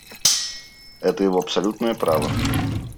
Это его абсолютное право.